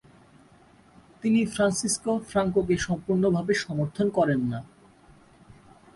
তিনি ফ্রান্সিসকো ফ্রাঙ্কোকে সম্পূর্ণভাবে সমর্থন করেন না।